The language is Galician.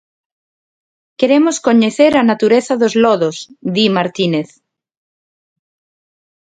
"Queremos coñecer a natureza dos lodos", di Martínez.